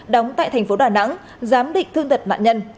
đóng tại thành phố đà nẵng giám định thương tật nạn nhân